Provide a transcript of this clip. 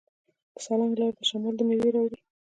د سالنګ لاره د شمال میوې راوړي.